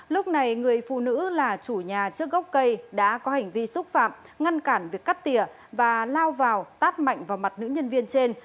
lúc này người phụ nữ là chủ nhà trước gốc cây đã có hành vi xúc phạm ngăn cản việc cắt tỉa và lao vào tát mạnh vào mặt nữ nhân viên trên